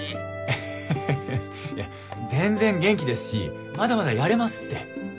えへへいや全然元気ですしまだまだやれますって。